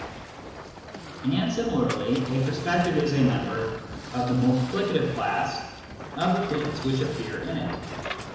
And SENSE DATA AND PHYSICS 161 similarly a perspective is a member of the multiplicative class of the things which appear in it.